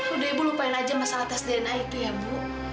udah ibu lupain aja masalah tes dna itu ya bu